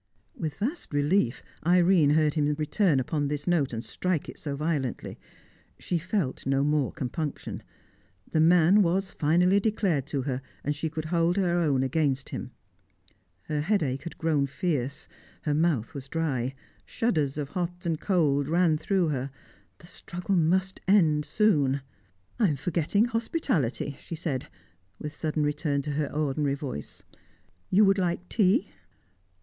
With vast relief Irene heard him return upon this note, and strike it so violently. She felt no more compunction. The man was finally declared to her, and she could hold her own against him. Her headache had grown fierce; her mouth was dry; shudders of hot and cold ran through her. The struggle must end soon. "I am forgetting hospitality," she said, with sudden return to her ordinary voice. "You would like tea."